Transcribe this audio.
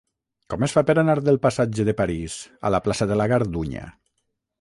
Com es fa per anar del passatge de París a la plaça de la Gardunya?